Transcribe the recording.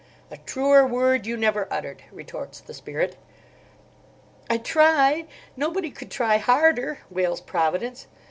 "A truer word you never uttered," retorts the Spirit. "I try—nobody could try harder," wails Providence.